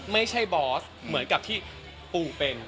ไม่ใช่บอสเหมือนกับที่ปูเป็น